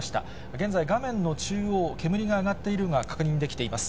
現在、画面の中央、煙が上がっているのが確認できています。